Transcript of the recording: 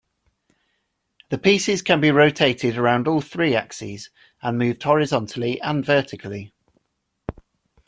The pieces can be rotated around all three axes, and moved horizontally and vertically.